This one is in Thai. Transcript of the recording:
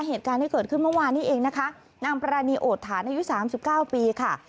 เหตุการณ์ที่เกิดขึ้นเมื่อวานนี้เองนะคะนางปรานีโอดฐานอายุสามสิบเก้าปีค่ะ